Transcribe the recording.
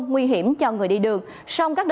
nguy hiểm cho người đi đường